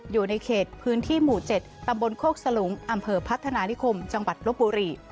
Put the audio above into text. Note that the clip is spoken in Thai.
อยู่ในเขตพื้นที่หมู่๗ตำบลโคกสลุงอำเภอพัฒนานิคมจังหวัดลบบุรี